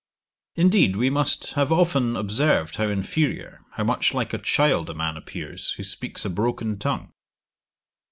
Indeed, we must have often observed how inferiour, how much like a child a man appears, who speaks a broken tongue.